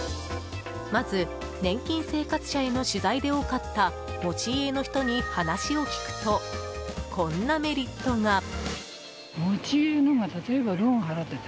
まず、年金生活者への取材で多かった持ち家の人に話を聞くとこんなメリットが。